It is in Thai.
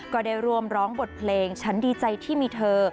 ก็ได้รวมร้องบทเพลงฉันดีใจที่มีเธอ